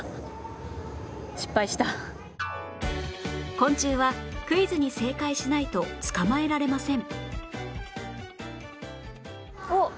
昆虫はクイズに正解しないと捕まえられません